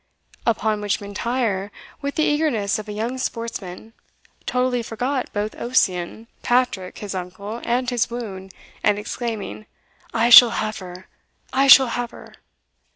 Upon which M'Intyre, with the eagerness of a young sportsman, totally forgot both Ossian, Patrick, his uncle, and his wound, and exclaiming "I shall have her! I shall have her!"